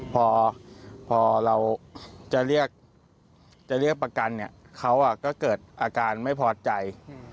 พอเราจะเรียกจะเรียกประกันเนี่ยเขาก็เกิดอาการไม่พอใจ